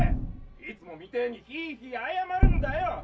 ・いつもみてぇにヒーヒー謝るんだよ！